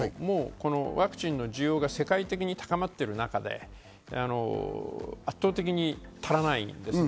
ワクチンの需要が世界的に高まってる中で圧倒的に足りないんですよね。